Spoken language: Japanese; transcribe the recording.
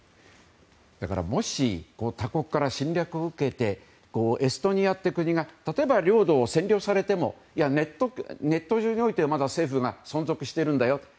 もし他国から侵略を受けてエストニアという国が例えば、領土を占領されてもネット上においては、まだ政府が存続しているんだよと。